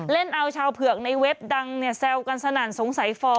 เล่นเอาชาวเผือกในเว็บดังเนี่ยแซวกันสนั่นสงสัยฟอร์ม